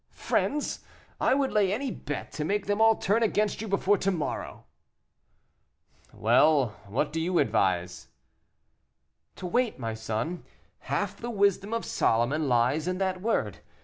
"Friends! I would lay any bet to make them all turn against you before to morrow." "Well, what do you advise?" "To wait, my son. Half the wisdom of Solomon lies in that word.